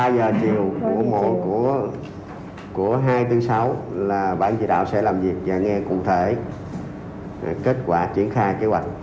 ba giờ chiều của mỗi của hai trăm bốn mươi sáu là bang di đạo sẽ làm việc và nghe cụ thể kết quả triển khai kế hoạch